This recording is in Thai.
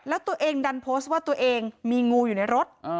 แล้วตัวเองดันโพสต์ว่าตัวเองมีงูอยู่ในรถ